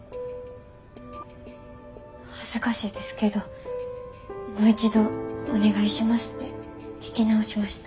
恥ずかしいですけどもう一度お願いしますって聞き直しました。